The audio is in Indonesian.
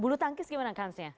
bulu tangkis gimana kansnya